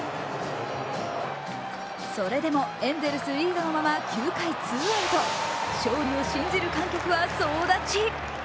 それでもエンゼルスリードのまま９回ツーアウト勝利を信じる観客は総立ち。